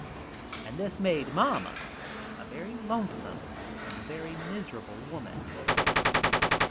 And this made mamma a very lonesome and a very miserable woman.